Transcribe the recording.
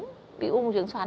cái u bùng trứng xoắn